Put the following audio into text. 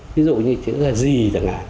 ví dụ như chữ gì chẳng hạn